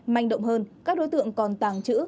manh động hơn các đối tượng còn tàng trữ